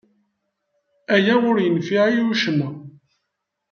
Aya ur yenfiɛ i acemma.